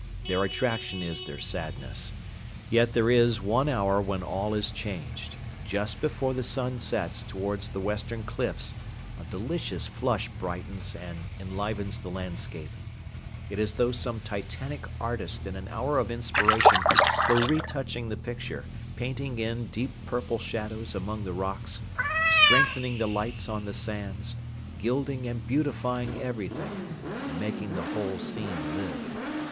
Their attraction is their sadness. Yet there is one hour when all is changed. Just before the sun sets towards the western cliffs a delicious flush brightens and enlivens the landscape. It is as though some Titanic artist in an hour of inspiration were retouching the picture, painting in dark purple shadows among the rocks, strengthening the lights on the sands, gilding and beautifying everything, and making the whole scene live.